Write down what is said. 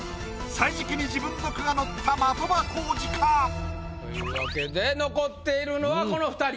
歳時記に自分の句が載った的場浩司か？というわけで残っているのはこの二人。